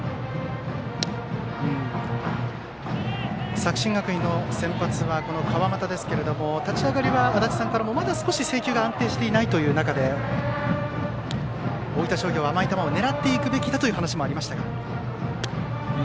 作新学院の先発は川又ですが立ち上がりは足達さんからもまだ少し制球が安定していない中で大分商業は、甘い球を狙っていくべきだという話もありましたが。